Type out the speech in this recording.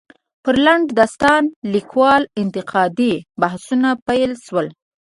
پر لنډ داستان ليکلو انتقادي بحثونه پيل شول.